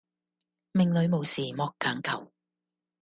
命裡無時莫強求